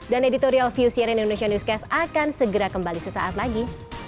dan editorial fusian indonesia newscast akan segera kembali sesaat lagi